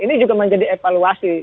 ini juga menjadi evaluasi